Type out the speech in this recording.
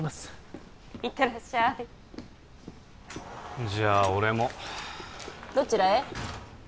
行ってらっしゃいじゃあ俺もどちらへ？